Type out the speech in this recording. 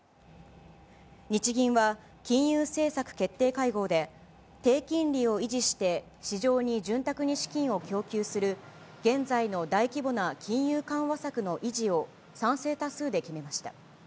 日銀は金融政策決定会合で、低金利を維持して、市場に潤沢に資金を供給する、現在の大規模な金融緩和策の維持を賛成多数で決めました。